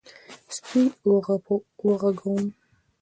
_سپی وغږوم؟